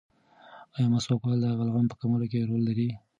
ایا مسواک وهل د بلغم په کمولو کې رول لري؟